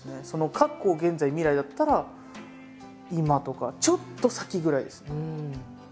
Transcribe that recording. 「過去」「現在」「未来」だったら「今」とか「ちょっと先」ぐらいです。